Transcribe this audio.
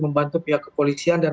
membantu pihak kepolisian dan